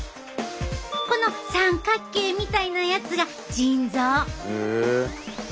この三角形みたいなやつが腎臓。